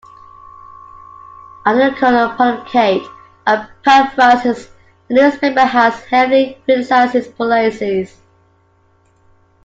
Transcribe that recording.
Under the current pontificate of Pope Francis, the newspaper has heavily criticized his policies.